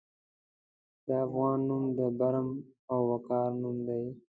د افغان نوم د برم او وقار نوم دی.